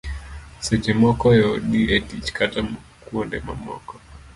seche moko e odi, e tich kata kuonde mamoko